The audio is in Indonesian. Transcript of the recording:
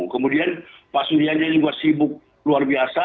kemudian pak surya jadi buat sibuk luar biasa